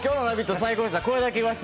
最高でした。